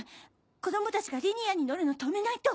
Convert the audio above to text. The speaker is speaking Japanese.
子供たちがリニアに乗るの止めないと！